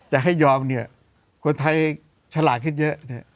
แต่ให้ยอมเนี่ยคนไทยฉลาดขึ้นเยอะเนี่ย